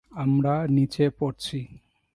আমরা নিচে পড়ছি!